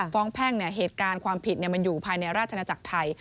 แพ่งเหตุการณ์ความผิดมันอยู่ภายในราชนาจักรไทย